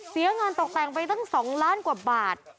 เสียเงินตกแต่งไปตั้ง๒ล้านกว่าบาท